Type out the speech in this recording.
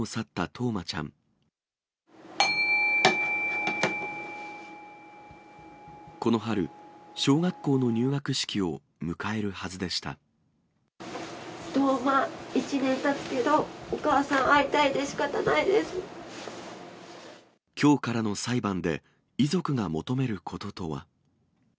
冬生、１年たつけど、お母さきょうからの裁判で、遺族が求めることとは。